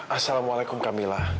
assalamualaikum kak mila